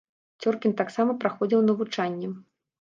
Цёркін таксама праходзіў навучанне.